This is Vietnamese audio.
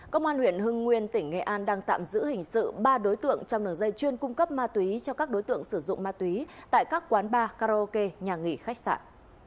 công an huyện hưng nguyên tỉnh nghệ an đang tạm giữ hình sự ba đối tượng trong đường dây chuyên cung cấp ma túy cho các đối tượng sử dụng ma túy tại các quán bar karaoke nhà nghỉ khách sạn